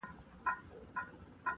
• له آسمانه به راتللې بیرته کورته -